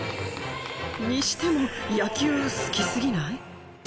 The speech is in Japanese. にしても野球好き過ぎない？